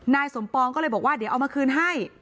นายสมปองก็เลยบอกว่าเดี๋ยวเอามาคืนให้